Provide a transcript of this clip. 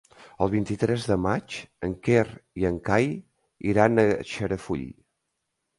El vint-i-tres de maig en Quer i en Cai iran a Xarafull.